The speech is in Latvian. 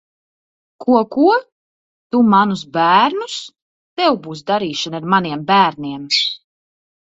Ko, ko? Tu manus bērnus? Tev būs darīšana ar maniem bērniem!